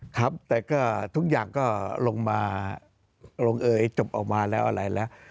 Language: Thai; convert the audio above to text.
ครับแต่ก็ทุกอย่างก็ลงมาลงเอยจบออกมาแล้วอะไรแล้ว